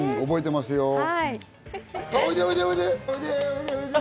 覚えていますよ。